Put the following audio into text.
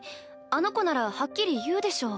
あの子ならはっきり言うでしょ。